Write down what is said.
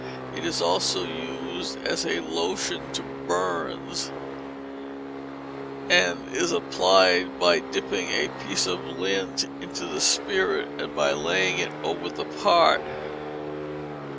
It is also used as a lotion to burns, and is applied by dipping a piece of lint into the spirit, and laying it over the part.